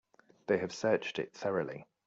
They have searched it thoroughly.